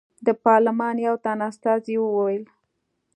د پارلمان یو تن استازي وویل.